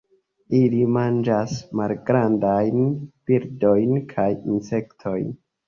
Ili manĝas malgrandajn birdojn kaj insektojn.